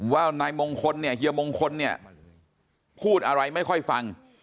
ว่าเฮียมงคลพูดอะไรไม่ค่อยฟัง